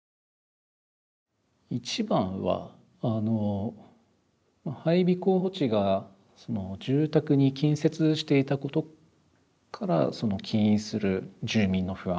一番はあの配備候補地が住宅に近接していたことから起因する住民の不安。